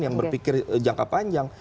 yang berpikir jangka panjang